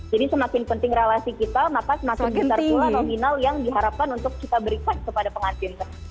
jadi semakin penting relasi kita maka semakin besar juga nominal yang diharapkan untuk kita berikan kepada pengantin